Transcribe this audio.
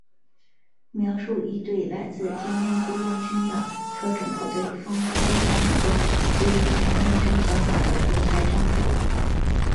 描述一队来自精英雇佣军的特种部队奉命推翻一个位于南美洲小岛的独裁政府。